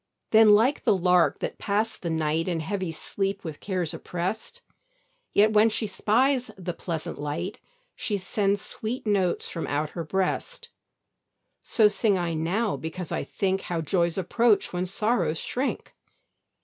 Then like the lark that passed the night In heavy sleep with cares oppressed; Yet when she spies the pleasant light, She sends sweet notes from out her breast; So sing I now because I think How joys approach when sorrows shrink.